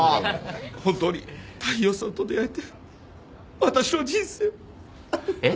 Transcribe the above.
本当に大陽さんと出会えて私の人生は。えっ？